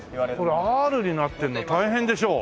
これアールになってるの大変でしょ。